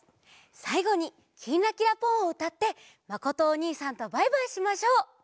さいごに「きんらきらぽん」をうたってまことおにいさんとバイバイしましょう。